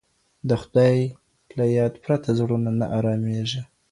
د خدای له یاد پرته زړونه نه ارامیږي.